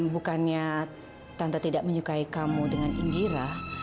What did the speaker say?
bukannya tante tidak menyukai kamu dengan indira